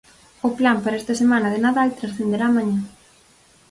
O plan para esta semana de Nadal transcenderá mañá.